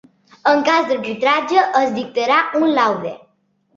En cas d'arbitratge es dictarà un laude.